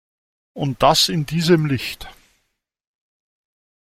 Und das in diesem Licht!